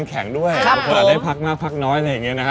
นักอีกร้านแต่ละคนเป็นยังไง